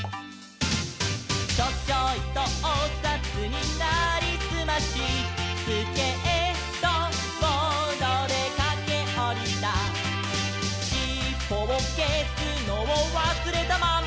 「チョチョイとおさつになりすまし」「スケートボードでかけおりた」「しっぽをけすのをわすれたまんま」